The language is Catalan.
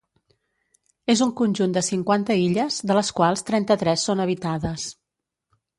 És un conjunt de cinquanta illes, de les quals trenta-tres són habitades.